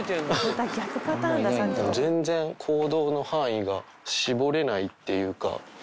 全然行動の範囲が絞れないっていうか。